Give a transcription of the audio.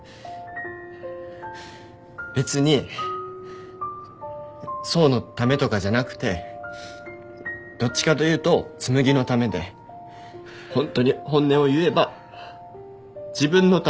別に想のためとかじゃなくてどっちかというと紬のためでホントに本音を言えば自分のため。